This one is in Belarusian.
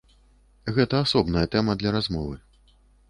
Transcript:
Гэта асобная тэма для размовы.